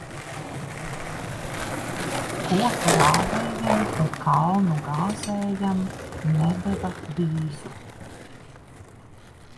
Koku rāvējam un kalnu gāzējam nedeva vīzu.